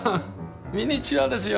ミニチュアですよ。